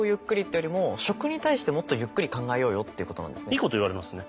いいこと言われますね。